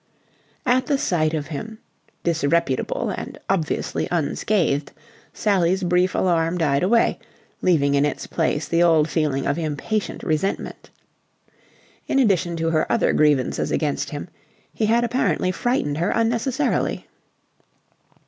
At the sight of him, disreputable and obviously unscathed, Sally's brief alarm died away, leaving in its place the old feeling of impatient resentment. In addition to her other grievances against him, he had apparently frightened her unnecessarily.